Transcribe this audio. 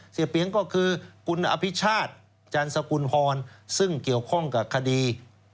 เปี๊ยงก็คือคุณอภิชาติจันสกุลพรซึ่งเกี่ยวข้องกับคดี